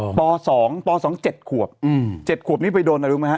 ป๒ป๒ป๒เจ็ดขวบเจ็ดขวบนี้ไปโดนอ่ะรู้ไหมฮะ